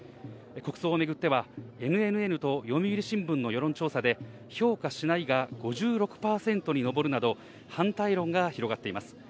国葬を巡っては、ＮＮＮと読売新聞の世論調査で、評価しないが５６％に上るなど、反対論が広がっています。